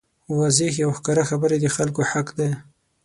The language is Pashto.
واضحې او ښکاره خبرې د خلکو حق دی.